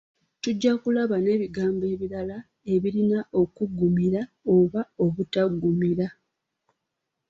Tujja kulaba n’ebigambo ebirala ebirina okuggumira oba obutaggumira.